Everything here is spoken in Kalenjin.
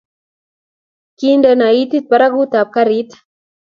Kindeno itit barakutab karit